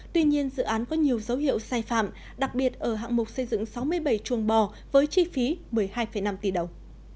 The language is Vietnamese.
tuy nhiên dự án có nhiều dấu hiệu sai phạm đặc biệt ở hạng mục xây dựng sáu mươi bảy chuồng bò với chi phí một mươi hai năm tỷ đồng